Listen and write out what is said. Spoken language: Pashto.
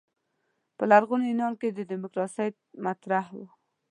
په لرغوني یونان کې دیموکراسي مطرح وه.